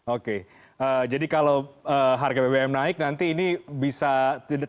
oke jadi kalau harga bpm naik nanti ini bisa tidak hanya dikira dengan keuntungan yang lebih tinggi